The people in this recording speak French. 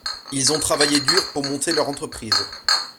Ils ont travaillé dur pour monter leur entreprise.